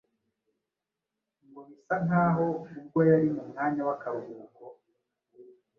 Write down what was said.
Ngo bisa nk’aho ubwo yari mu mwanya w’akaruhuko